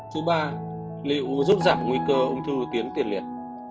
chú ba liệu giúp giảm nguy cơ ung thư tiến tiền liệt